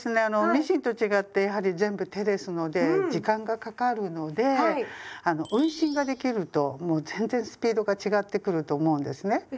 あのミシンと違ってやはり全部手ですので時間がかかるのであの運針ができるともう全然スピードが違ってくると思うんですね。